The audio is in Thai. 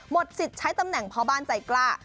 สิทธิ์ใช้ตำแหน่งพ่อบ้านใจกล้า